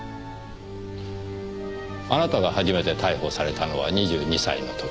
あなたが初めて逮捕されたのは２２歳の時。